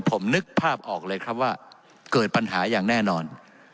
ผมนึกภาพออกเลยครับว่าเกิดปัญหาอย่างแน่นอน